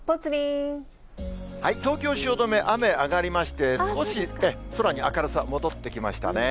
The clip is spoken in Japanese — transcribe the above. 東京・汐留、雨上がりまして、少し空に明るさ戻ってきましたね。